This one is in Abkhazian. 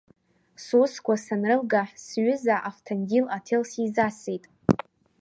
Сусқәа санрылга сҩыза Авҭандил аҭел сизасит.